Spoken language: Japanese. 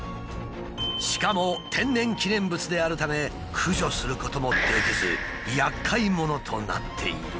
しかも天然記念物であるため駆除することもできず厄介者となっている。